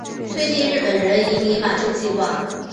推进日本人移民满洲计划。